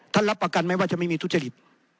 รับประกันไหมว่าจะไม่มีทุจริต